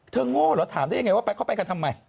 โง่เหรอถามได้ยังไงว่าไปเขาไปกันทำไม